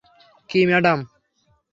কী, madam?